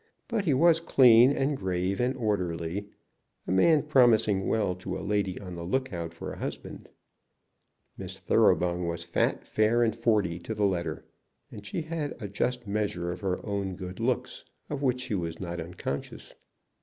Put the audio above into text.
But he was clean, and grave, and orderly, a man promising well to a lady on the lookout for a husband. Miss Thoroughbung was fat, fair, and forty to the letter, and she had a just measure of her own good looks, of which she was not unconscious.